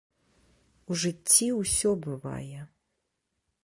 У жыцці ўсё бывае.